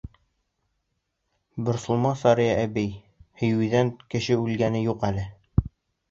— Борсолма, Сара әбей, һөйөүҙән кеше үлгәне юҡ әле.